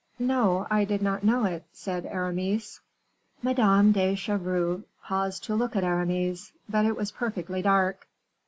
"No, I did not know it," said Aramis. Madame de Chevreuse paused to look at Aramis, but it was perfectly dark.